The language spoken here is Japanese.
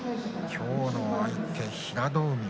今日の相手、平戸海。